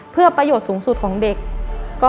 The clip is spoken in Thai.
เพื่อประโยชน์สูงสุดของเด็ก